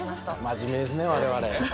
真面目ですね、われわれ。